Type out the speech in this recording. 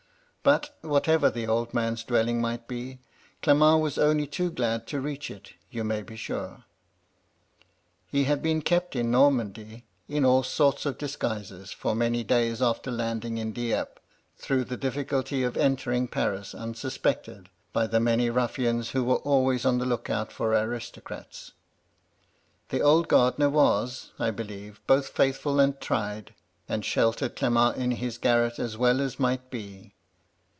But, whatever the old man's dwelling might be, Cle ment was only too glad to reach it, you may be sure. He had been kept in Normandy, in all sorts of dis guises, for many days after landing in Dieppe, through the diflSculty of entering Paris unsuspected by the many ruffians who were always on the look out for aristocrats. "The old gardener was, I believe, both faithful and tried, and sheltered Clement in his garret as well as might be.